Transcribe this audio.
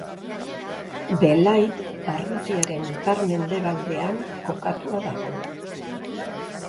Belait barrutiaren ipar-mendebaldean kokatua dago.